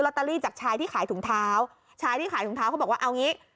ตอรี่จากชายที่ขายถุงเท้าชายที่ขายถุงเท้าเขาบอกว่าเอางี้